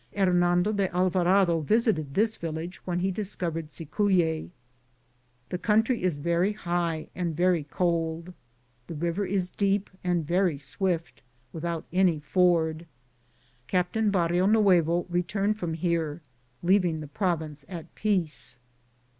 Hernando de Alva rado visited this village when he discovered. Cicuye. The country is very high and very cold. The river is deep and very swift, without any ford. Captain Barrionuevo re turned from here, leaving the province at. peace.